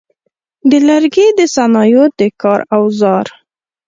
د لرګي د صنایعو د کار اوزار: